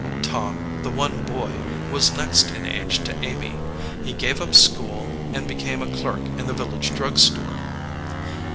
Tom, the one boy, was next in age to Amy. He gave up school and became a clerk in the village drug store.